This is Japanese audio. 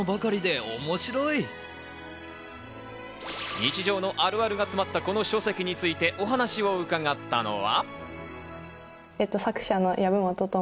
日常のあるあるが詰まったこの書籍についてお話を伺ったのは。